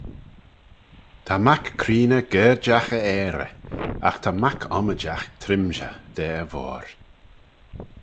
"Ta mac creeney gerjagh e ayrey; agh ta mac ommijagh trimshey da e voir."